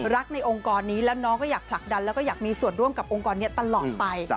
ในองค์กรนี้แล้วน้องก็อยากผลักดันแล้วก็อยากมีส่วนร่วมกับองค์กรนี้ตลอดไป